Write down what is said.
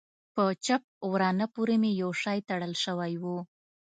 په چپ ورانه پورې مې يو شى تړل سوى و.